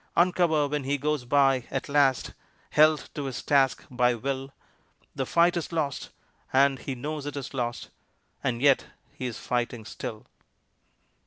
Uncover when he goes by, at last! Held to his task by will The fight is lost and he knows it is lost and yet he is fighting still!